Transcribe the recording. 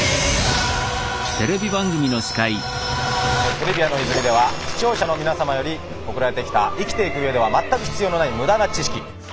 「トリビアの泉」では視聴者の皆様より送られてきた生きていくうえでは全く必要のない無駄な知識。